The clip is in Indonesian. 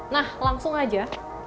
nah langsung aja